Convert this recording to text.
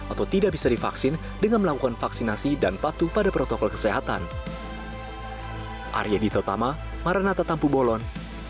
atau tidak bisa divaksin dengan melakukan vaksinasi dan patuh pada protokol kesehatan